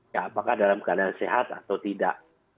ya apakah dalam keadaan sehat atau tidak